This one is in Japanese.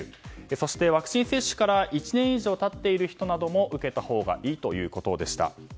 そしてワクチン接種から１年以上経っている人も受けたほうがいいということでした。